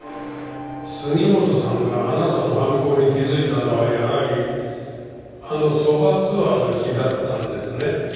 杉本さんがあなたの犯行に気づいたのはやはりあのそばツアーの日だったんですね。